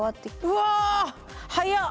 うわ速っ。